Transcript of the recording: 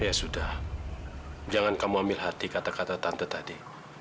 ya sudah jangan kamu ambil hati kata kata tante tante tadi